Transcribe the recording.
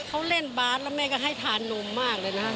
เขาเล่นบาสแล้วแม่ก็ให้ทานนมมากเลยนะ